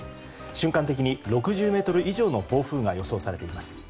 瞬間的に６０メートル以上の暴風が予想されています。